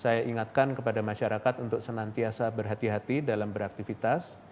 saya ingatkan kepada masyarakat untuk senantiasa berhati hati dalam beraktivitas